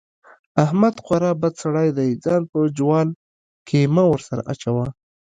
احمد خورا بد سړی دی؛ ځان په جوال کې مه ور سره اچوه.